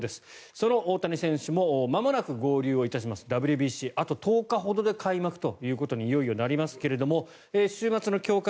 その大谷選手もまもなく合流いたしますＷＢＣ、あと１０日ほどで開幕ということにいよいよなりますが週末の強化